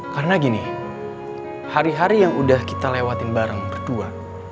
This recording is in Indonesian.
karena gini hari hari yang udah kita lewatin bareng berdua